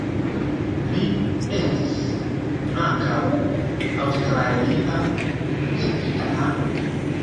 Li estis ankaŭ aŭstralia civitano.